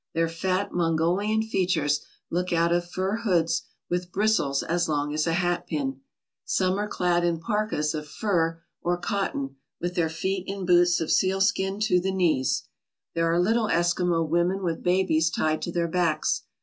Their fat Mongolian features look out of fur hoods with bristles as long as a hat pin. Some are clad in parkas of fur or 187 ALASKA OUR NORTHERN WONDERLAND cotton, with their feet in boots of sealskin to the knees. There are little Eskimo women with babies tied to their backs.